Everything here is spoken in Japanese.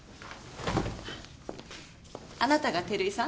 あなたが照井さん？